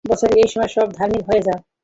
বছরের এই সময়ে সব ধার্মিক হয়ে যায়।